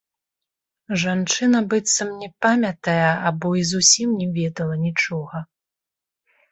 Жанчына быццам не памятае або і зусім не ведала нічога.